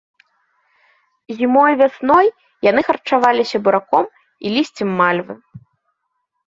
Зімой і вясной яны харчаваліся бураком і лісцем мальвы.